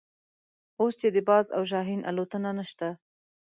اوس چې د باز او شاهین الوتنه نشته.